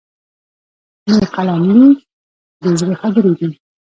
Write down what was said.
د قلم لیک د زړه خبرې دي.